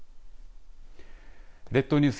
列島ニュース